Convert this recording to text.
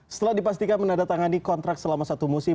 setelah dipastikan menandatangani kontrak selama satu musim